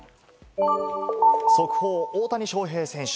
速報、大谷翔平選手。